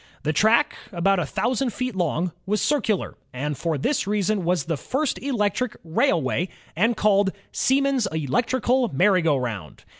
The track, about a thousand feet long, was circular, and for this reason the first electric railway was called *'Siemens's electrical merry go roimd."